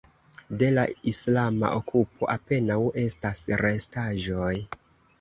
De la islama okupo apenaŭ estas restaĵoj.